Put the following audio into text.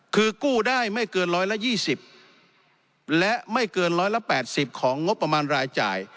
คือกู้ได้ไม่เกิน๑๒๐และไม่เกิน๑๘๐ของงบประมาณรายจ่าย